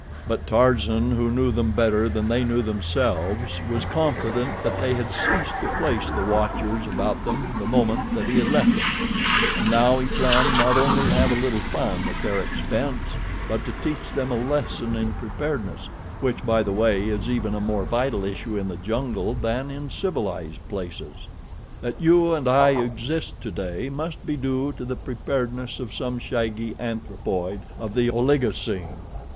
But Tarzan, who knew them better than they knew themselves, was confident that they had ceased to place the watchers about them the moment that he had left them, and now he planned not only to have a little fun at their expense but to teach them a lesson in preparedness, which, by the way, is even a more vital issue in the jungle than in civilized places. That you and I exist today must be due to the preparedness of some shaggy anthropoid of the Oligocene.